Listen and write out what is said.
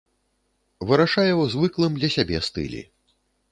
Вырашае ў звыклым для сябе стылі.